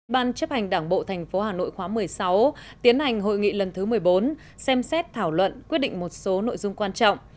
ban chấp hành đảng bộ tp hà nội khóa một mươi sáu tiến hành hội nghị lần thứ một mươi bốn xem xét thảo luận quyết định một số nội dung quan trọng